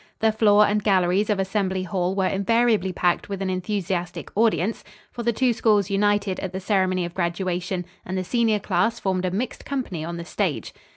The floor and galleries of Assembly Hall were invariably packed with an enthusiastic audience; for the two schools united at the ceremony of graduation and the senior class formed a mixed company on the stage.